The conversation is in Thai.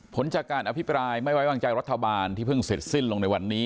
ผลจากการอภิปรายไม่ไว้วางใจรัฐบาลที่เพิ่งเสร็จสิ้นลงในวันนี้